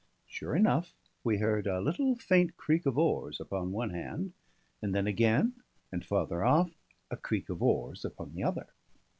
Sure enough, we heard a little faint creak of oars upon one hand, and then again, and farther off, a creak of oars upon the other.